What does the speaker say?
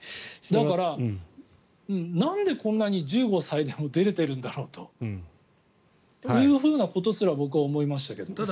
だから、なんでこんなに１５歳で出られているんだろうということすら僕は思いましたけど。